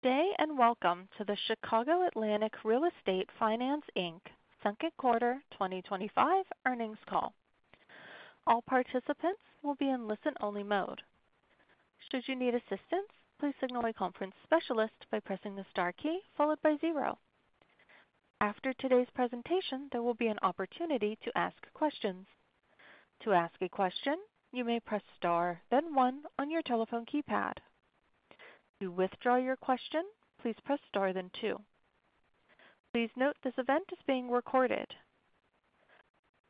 Today, and welcome to the Chicago Atlantic Real Estate Finance, Inc. Second Quarter 2025 Earnings Call. All participants will be in listen-only mode. Should you need assistance, please signal a conference specialist by pressing the star key followed by zero. After today's presentation, there will be an opportunity to ask questions. To ask a question, you may press star, then one on your telephone keypad. To withdraw your question, please press star, then two. Please note this event is being recorded.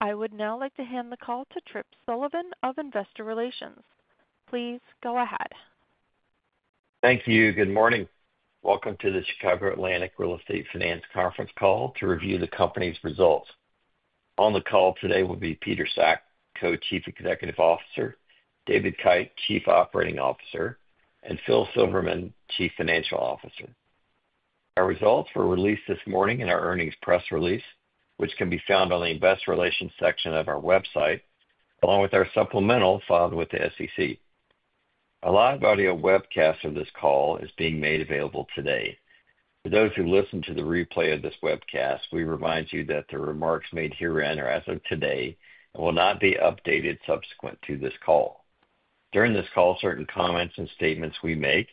I would now like to hand the call to Tripp Sullivan of Investor Relations. Please go ahead. Thank you. Good morning. Welcome to the Chicago Atlantic Real Estate Finance conference call to review the company's results. On the call today will be Peter Sack, Co-Chief Executive Officer; David Kite, Chief Operating Officer; and Phil Silverman, Chief Financial Officer. Our results were released this morning in our earnings press release, which can be found on the Investor Relations section of our website, along with our supplemental filed with the SEC. A live audio webcast of this call is being made available today. For those who listen to the replay of this webcast, we remind you that the remarks made herein are as of today and will not be updated subsequent to this call. During this call, certain comments and statements we make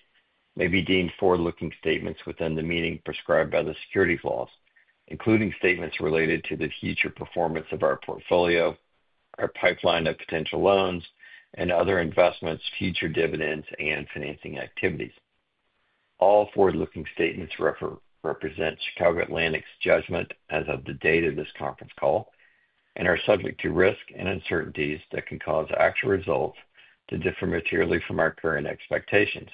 may be deemed forward-looking statements within the meaning prescribed by the securities laws, including statements related to the future performance of our portfolio, our pipeline of potential loans and other investments, future dividends, and financing activities. All forward-looking statements represent Chicago Atlantic's judgment as of the date of this conference call and are subject to risk and uncertainties that can cause actual results to differ materially from our current expectations.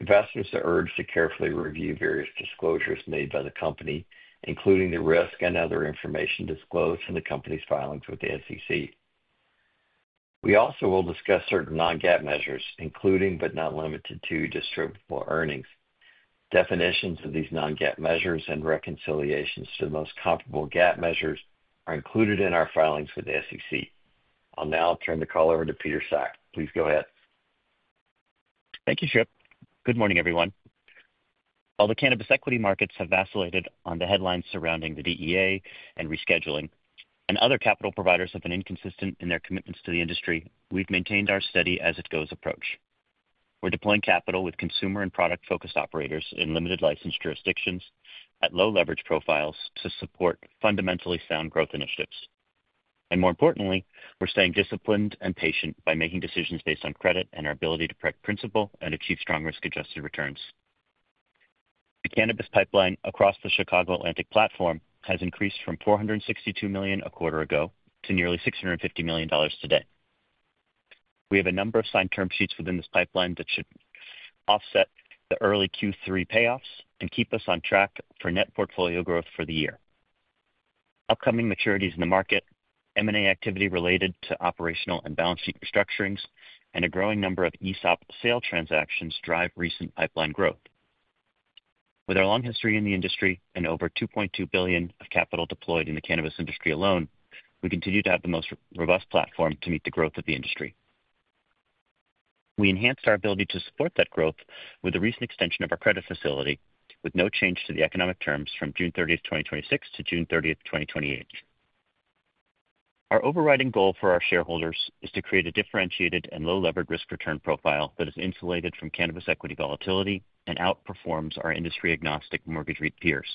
Investors are urged to carefully review various disclosures made by the company, including the risk and other information disclosed in the company's filings with the SEC. We also will discuss certain non-GAAP measures, including but not limited to distributable earnings. Definitions of these non-GAAP measures and reconciliations to the most comparable GAAP measures are included in our filings with the SEC. I'll now turn the call over to Peter Sack. Please go ahead. Thank you, Tripp. Good morning, everyone. While the cannabis equity markets have vacillated on the headlines surrounding the DEA and rescheduling, and other capital providers have been inconsistent in their commitments to the industry, we've maintained our steady as-it-goes approach. We're deploying capital with consumer and product-focused operators in limited licensed jurisdictions at low leverage profiles to support fundamentally sound growth initiatives. More importantly, we're staying disciplined and patient by making decisions based on credit and our ability to print principal and achieve strong risk-adjusted returns. The cannabis pipeline across the Chicago Atlantic platform has increased from $462 million a quarter ago to nearly $650 million today. We have a number of signed term sheets within this pipeline that should offset the early Q3 payoffs and keep us on track for net portfolio growth for the year. Upcoming maturities in the market, M&A activity related to operational and balance sheet restructurings, and a growing number of ESOP sale transactions drive recent pipeline growth. With our long history in the industry and over $2.2 billion of capital deployed in the cannabis industry alone, we continue to have the most robust platform to meet the growth of the industry. We enhanced our ability to support that growth with a recent extension of our credit facility, with no change to the economic terms from June 30, 2026 to June 30, 2028. Our overriding goal for our shareholders is to create a differentiated and low-levered risk return profile that is insulated from cannabis equity volatility and outperforms our industry-agnostic mortgage peers.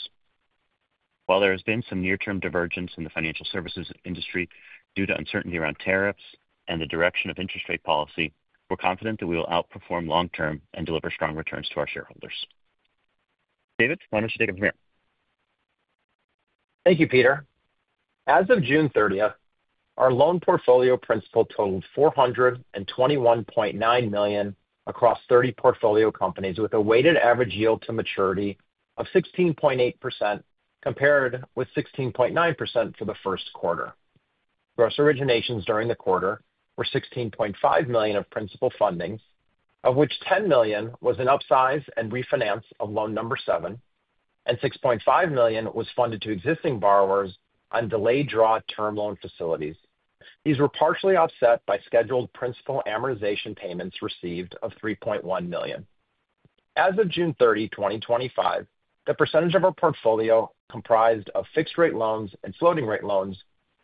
While there has been some near-term divergence in the financial services industry due to uncertainty around tariffs and the direction of interest rate policy, we're confident that we will outperform long-term and deliver strong returns to our shareholders. David, why don't you take a minute? Thank you, Peter. As of June 30, our loan portfolio principal totaled $421.9 million across 30 portfolio companies, with a weighted average yield to maturity of 16.8% compared with 16.9% for the first quarter. Gross originations during the quarter were $16.5 million of principal fundings, of which $10 million was in upsize and refinance of loan number seven, and $6.5 million was funded to existing borrowers on delayed draw term loan facilities. These were partially offset by scheduled principal amortization payments received of $3.1 million. As of June 30, 2025, the percentage of our portfolio comprised of fixed-rate loans and floating-rate loans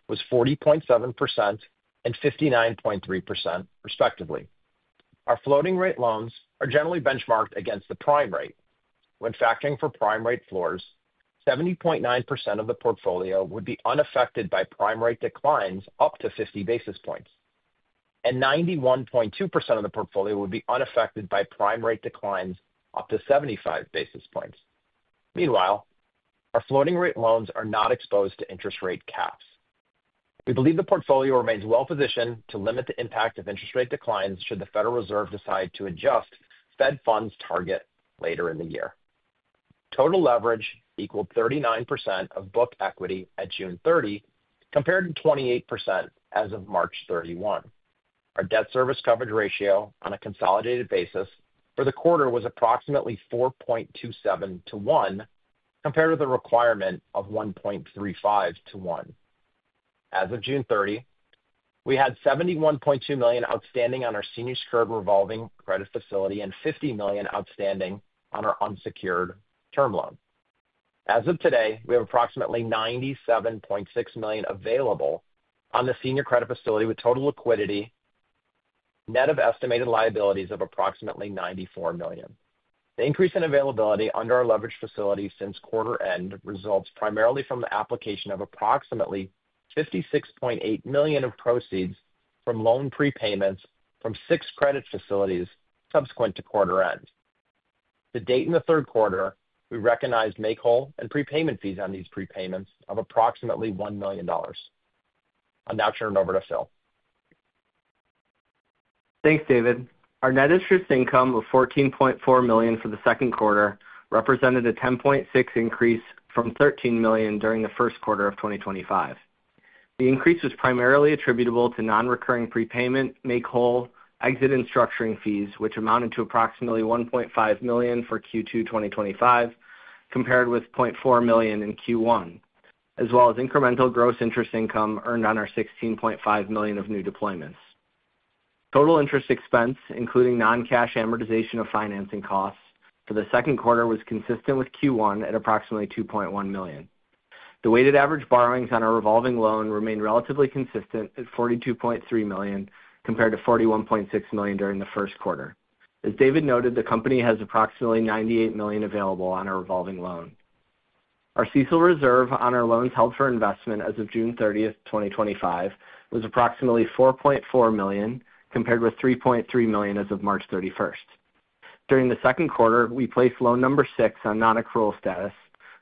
was 40.7% and 59.3%, respectively. Our floating-rate loans are generally benchmarked against the prime rate. When factoring for prime-rate floors, 70.9% of the portfolio would be unaffected by prime-rate declines up to 50 basis points, and 91.2% of the portfolio would be unaffected by prime-rate declines up to 75 basis points. Meanwhile, our floating-rate loans are not exposed to interest rate caps. We believe the portfolio remains well positioned to limit the impact of interest rate declines should the Federal Reserve decide to adjust Fed funds target later in the year. Total leverage equaled 39% of book equity at June 30, compared to 28% as of March 31. Our debt service coverage ratio on a consolidated basis for the quarter was approximately 4.27 to 1, compared with the requirement of 1.35 to 1. As of June 30, we had $71.2 million outstanding on our senior secured revolving credit facility and $50 million outstanding on our unsecured term loan. As of today, we have approximately $97.6 million available on the senior credit facility with total liquidity net of estimated liabilities of approximately $94 million. The increase in availability under our leverage facility since quarter end results primarily from the application of approximately $56.8 million of proceeds from loan prepayments from six credit facilities subsequent to quarter end. To date in the third quarter, we recognized make-whole and prepayment fees on these prepayments of approximately $1 million. I'll now turn it over to Phil. Thanks, David. Our net interest income of $14.4 million for the second quarter represented a 10.6% increase from $13 million during the first quarter of 2025. The increase was primarily attributable to non-recurring prepayment, make-whole, exit, and structuring fees, which amounted to approximately $1.5 million for Q2 2025, compared with $0.4 million in Q1, as well as incremental gross interest income earned on our $16.5 million of new deployments. Total interest expense, including non-cash amortization of financing costs for the second quarter, was consistent with Q1 at approximately $2.1 million. The weighted average borrowings on our revolving loan remain relatively consistent at $42.3 million compared to $41.6 million during the first quarter. As David noted, the company has approximately $98 million available on a revolving loan. Our reserve for expected credit losses on our loans held for investment as of June 30, 2025, was approximately $4.4 million compared with $3.3 million as of March 31. During the second quarter, we placed loan number six on non-accrual status,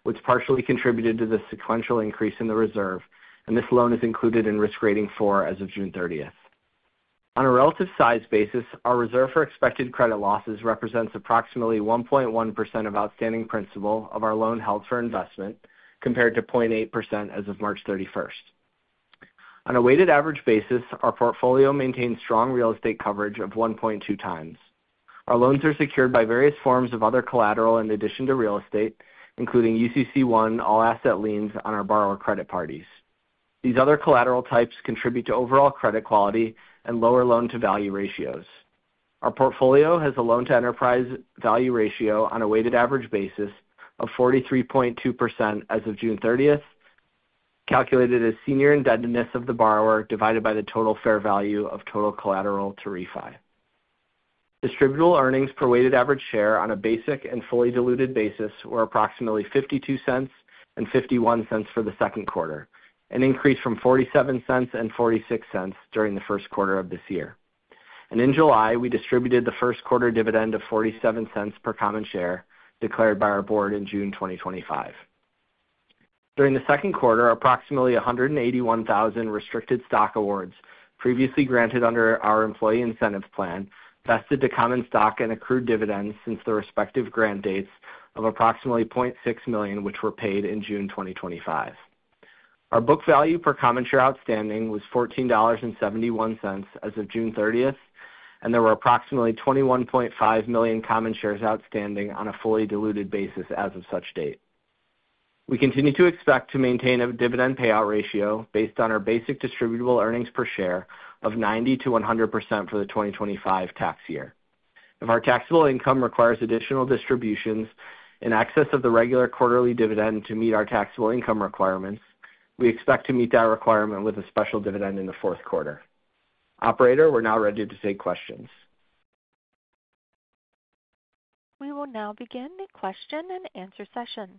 which partially contributed to the sequential increase in the reserve, and this loan is included in risk rating four as of June 30. On a relative size basis, our reserve for expected credit losses represents approximately 1.1% of outstanding principal of our loans held for investment, compared to 0.8% as of March 31. On a weighted average basis, our portfolio maintains strong real estate coverage of 1.2x. Our loans are secured by various forms of other collateral in addition to real estate, including UCC-1 all-asset liens on our borrower credit parties. These other collateral types contribute to overall credit quality and lower loan-to-value ratios. Our portfolio has a loan-to-enterprise value ratio on a weighted average basis of 43.2% as of June 30, calculated as senior indebtedness of the borrower divided by the total fair value of total collateral to refi. Distributable earnings per weighted average share on a basic and fully diluted basis were approximately $0.52 and $0.51 for the second quarter, an increase from $0.47 and $0.46 during the first quarter of this year. In July, we distributed the first quarter dividend of $0.47 per common share declared by our board in June 2025. During the second quarter, approximately 181,000 restricted stock awards previously granted under our employee incentive plan vested to common stock and accrued dividends since the respective grant dates of approximately $0.6 million, which were paid in June 2025. Our book value per common share outstanding was $14.71 as of June 30, and there were approximately 21.5 million common shares outstanding on a fully diluted basis as of such date. We continue to expect to maintain a dividend payout ratio based on our basic distributable earnings per share of 90%-100% for the 2025 tax year. If our taxable income requires additional distributions in excess of the regular quarterly dividend to meet our taxable income requirements, we expect to meet that requirement with a special dividend in the fourth quarter. Operator, we're now ready to take questions. We will now begin the question and answer session.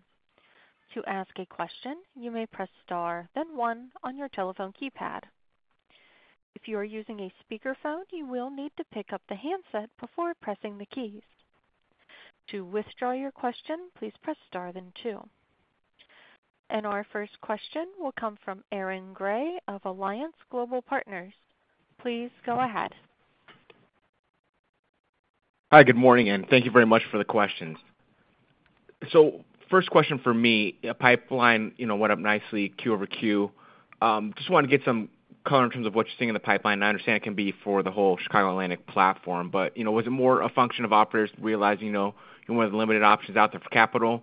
To ask a question, you may press star, then one on your telephone keypad. If you are using a speakerphone, you will need to pick up the handset before pressing the keys. To withdraw your question, please press star, then two. Our first question will come from Aaron Grey of Alliance Global Partners. Please go ahead. Hi, good morning, and thank you very much for the questions. First question for me, a pipeline went up nicely Q-over-Q. i just wanted to get some color in terms of what you're seeing in the pipeline. I understand it can be for the whole Chicago Atlantic platform, but was it more a function of operators realizing one of the limited options out there for capital?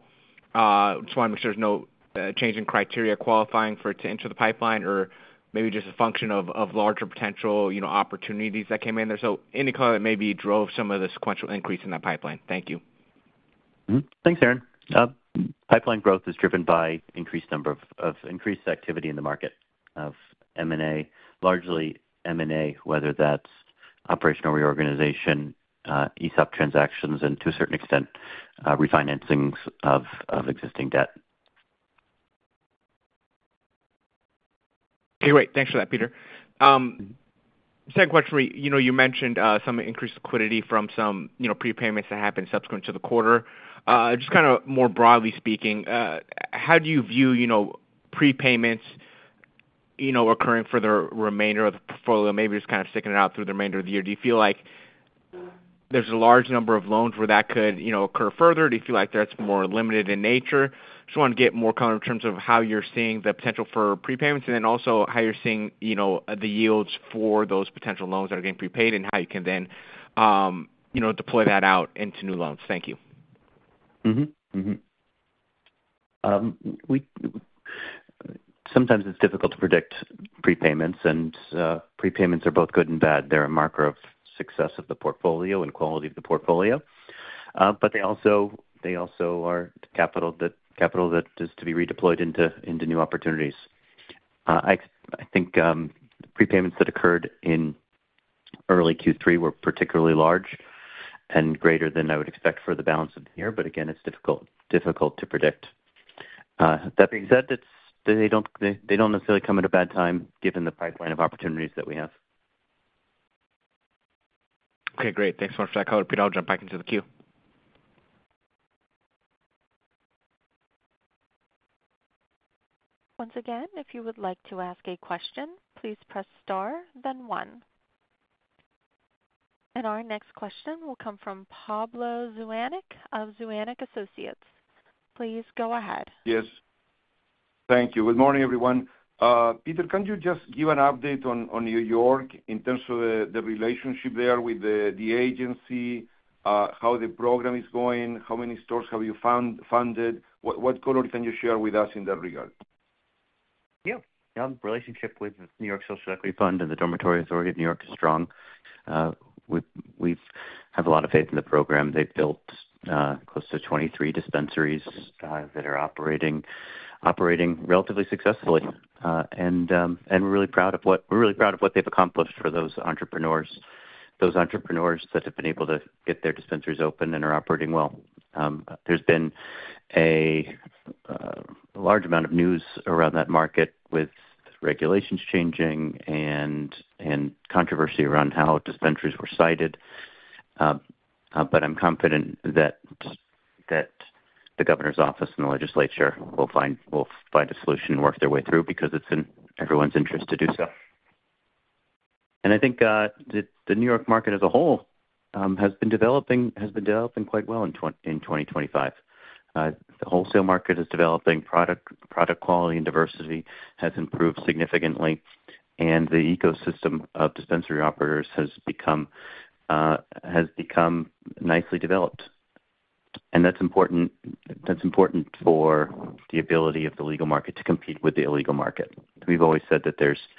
I just want to make sure there's no change in criteria qualifying for it to enter the pipeline or maybe just a function of larger potential opportunities that came in there. Any color that maybe drove some of the sequential increase in that pipeline. Thank you. Thanks, Aaron. Pipeline growth is driven by an increased number of increased activity in the market of M&A, largely M&A, whether that's operational reorganization, ESOP transactions, and to a certain extent, refinancings of existing debt. Okay, great. Thanks for that, Peter. Second question for you, you mentioned some increased liquidity from some prepayments that happened subsequent to the quarter. Just kind of more broadly speaking, how do you view prepayments occurring for the remainder of the portfolio, maybe just kind of sticking it out through the remainder of the year? Do you feel like there's a large number of loans where that could occur further? Do you feel like that's more limited in nature? I just want to get more color in terms of how you're seeing the potential for prepayments and then also how you're seeing the yields for those potential loans that are getting prepaid and how you can then deploy that out into new loans. Thank you. Sometimes it's difficult to predict prepayments, and prepayments are both good and bad. They're a marker of success of the portfolio and quality of the portfolio, but they also are the capital that is to be redeployed into new opportunities. I think prepayments that occurred in early Q3 were particularly large and greater than I would expect for the balance of the year, but again, it's difficult to predict. That being said, they don't necessarily come at a bad time given the pipeline of opportunities that we have. Okay, great. Thanks so much for that color, Peter. I'll jump back into the queue. Once again, if you would like to ask a question, please press star, then one. Our next question will come from Pablo Zuanic of Zuanic & Associates. Please go ahead. Yes. Thank you. Good morning, everyone. Peter, can you just give an update on New York in terms of the relationship there with the agency? How the program is going? How many stores have you funded? What color can you share with us in that regard? Yeah, the relationship with the New York Social Equity Fund and the Dormitory Authority of the State of New York is strong. We have a lot of faith in the program. They've built close to 23 dispensaries that are operating relatively successfully, and we're really proud of what they've accomplished for those entrepreneurs, those entrepreneurs that have been able to get their dispensaries open and are operating well. There's been a large amount of news around that market with regulations changing and controversy around how dispensaries were cited. I'm confident that the governor's office and the legislature will find a solution and work their way through because it's in everyone's interest to do so. I think the New York market as a whole has been developing quite well in 2025. The wholesale market is developing. Product quality and diversity has improved significantly, and the ecosystem of dispensary operators has become nicely developed. That's important for the ability of the legal market to compete with the illegal market. We've always said that there's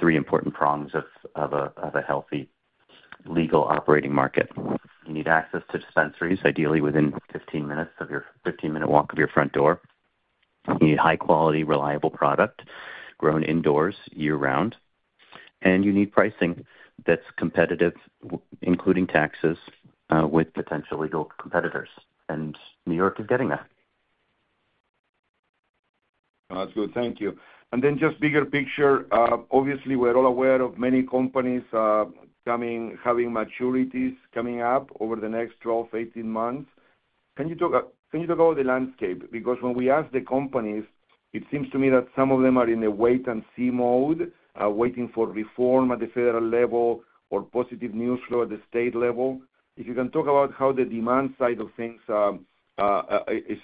three important prongs of a healthy legal operating market. You need access to dispensaries, ideally within a 15-minute walk of your front door. You need high-quality, reliable product grown indoors year-round. You need pricing that's competitive, including taxes, with potential legal competitors. New York is getting that. That's good. Thank you. Just a bigger picture, obviously, we're all aware of many companies having maturities coming up over the next 12-18 months. Can you talk about the landscape? When we ask the companies, it seems to me that some of them are in a wait-and-see mode, waiting for reform at the federal level or positive news flow at the state level. If you can talk about how the demand side of things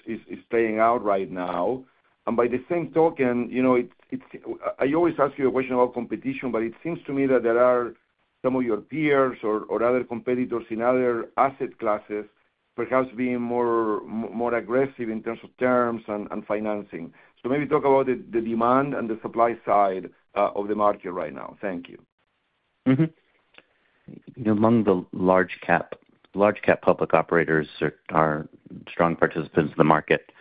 is playing out right now. By the same token, I always ask you a question about competition, but it seems to me that there are some of your peers or other competitors in other asset classes perhaps being more aggressive in terms of terms and financing. Maybe talk about the demand and the supply side of the market right now. Thank you. Among the large-cap public operators are strong participants in the market.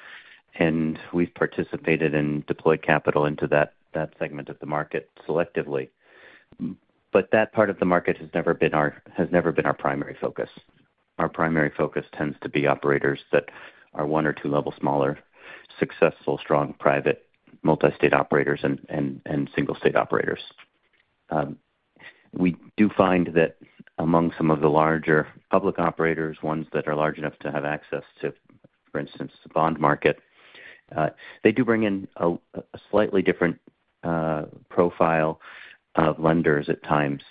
We've participated and deployed capital into that segment of the market selectively. That part of the market has never been our primary focus. Our primary focus tends to be operators that are one or two levels smaller, successful, strong private multi-state operators and single-state operators. We do find that among some of the larger public operators, ones that are large enough to have access to, for instance, the bond market, they do bring in a slightly different profile of lenders at times.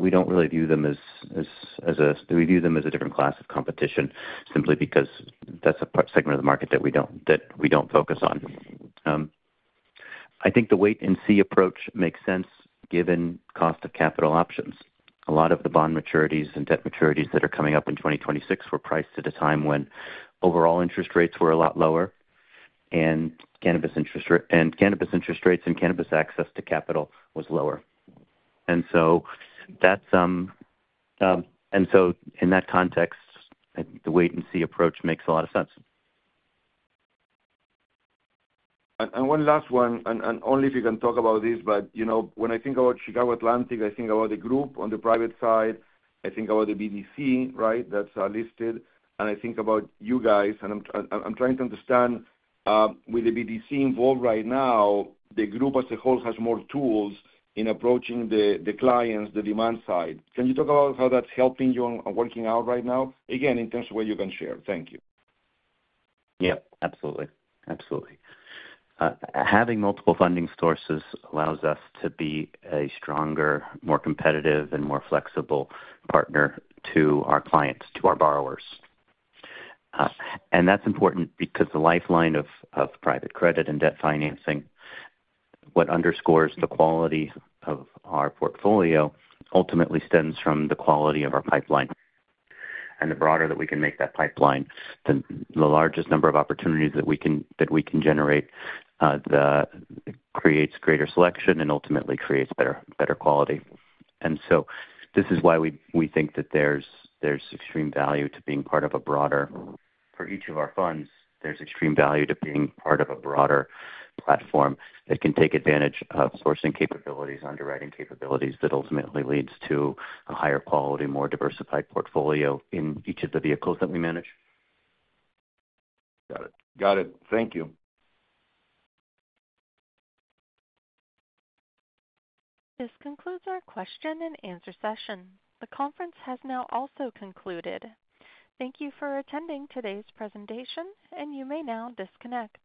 We don't really view them as a different class of competition simply because that's a segment of the market that we don't focus on. I think the wait-and-see approach makes sense given cost of capital options. A lot of the bond maturities and debt maturities that are coming up in 2026 were priced at a time when overall interest rates were a lot lower. Cannabis interest rates and cannabis access to capital was lower. In that context, the wait-and-see approach makes a lot of sense. One last one, and only if you can talk about this, but you know, when I think about Chicago Atlantic, I think about the group on the private side. I think about the BDC, right, that's listed. I think about you guys, and I'm trying to understand, with the BDC involved right now, the group as a whole has more tools in approaching the clients, the demand side. Can you talk about how that's helping you on working out right now? Again, in terms of what you can share. Thank you. Absolutely. Having multiple funding sources allows us to be a stronger, more competitive, and more flexible partner to our clients, to our borrowers. That's important because the lifeline of private credit and debt financing, what underscores the quality of our portfolio, ultimately stems from the quality of our pipeline. The broader that we can make that pipeline, the largest number of opportunities that we can generate, that creates greater selection and ultimately creates better quality. This is why we think that there's extreme value to being part of a broader, for each of our funds, there's extreme value to being part of a broader platform that can take advantage of sourcing capabilities and underwriting capabilities that ultimately lead to a higher quality, more diversified portfolio in each of the vehicles that we manage. Got it. Got it. Thank you. This concludes our question and answer session. The conference has now also concluded. Thank you for attending today's presentation, and you may now disconnect.